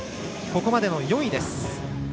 ここまでの４位です。